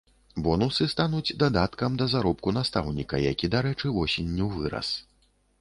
Бонусы стануць дадаткам да заробку настаўніка, які, дарэчы, восенню вырас.